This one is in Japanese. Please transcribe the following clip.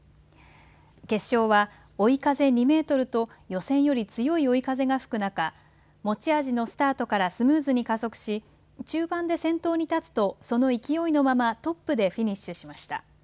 決勝は追い風２メートルと予選より強い追い風が吹く中、持ち味のスタートからスムーズに加速し中盤で先頭に立つと、その勢いのままトップでフィニッシュしました。